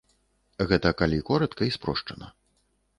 Гэта калі коратка і спрошчана.